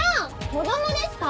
子供ですか？